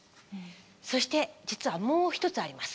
そして実はもう一つあります。